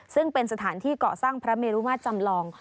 ซึ่งเป็นสถานที่เกาะสร้างพระเมรุมาตรจำลอง